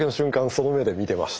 その目で見てました。